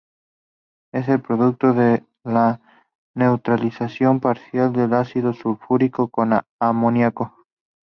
Es el producto de la neutralización parcial del ácido sulfúrico con amoníaco.